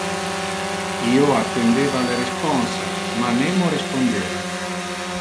Io attendeva le responsa ma nemo respondeva.